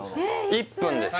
１分です